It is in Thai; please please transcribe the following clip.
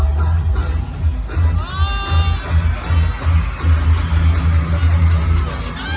สุดยอดมีสุดยอดมีสุดยอด